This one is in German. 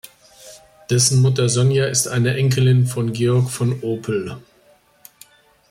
Dessen Mutter Sonja ist eine Enkelin von Georg von Opel.